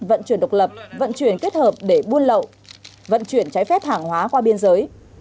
vận chuyển độc lập vận chuyển kết hợp để buôn lậu vận chuyển trái phép hàng hóa qua biên giới